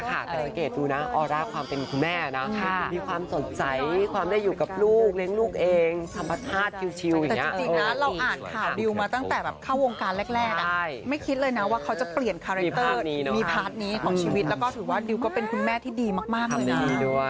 แต่จริงนะเราอ่านข่าวดิวมาตั้งแต่เข้าวงการแรกไม่คิดเลยนะว่าเขาจะเปลี่ยนคาแรกเตอร์มีพาร์ทนี้ของชีวิตแล้วก็ถือว่าดิวก็เป็นคุณแม่ที่ดีมากเลยนะ